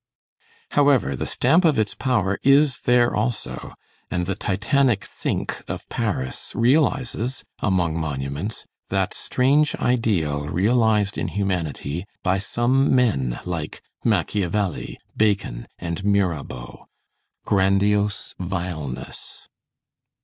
However, the stamp of its power is there also, and the Titanic sink of Paris realizes, among monuments, that strange ideal realized in humanity by some men like Macchiavelli, Bacon and Mirabeau, grandiose vileness.